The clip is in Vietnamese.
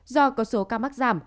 do có số ca mắc giảm